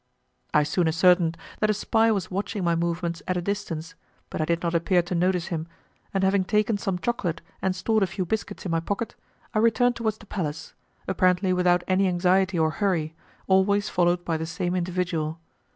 I soon ascertained that a spy was watching my movements at a distance; but I did not appear to notice him, and having taken some chocolate and stored a few biscuits in my pocket, I returned towards the palace, apparently without any anxiety or hurry, always followed by the same individual.